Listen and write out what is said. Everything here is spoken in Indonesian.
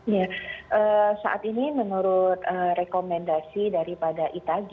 ya saat ini menurut rekomendasi daripada itagi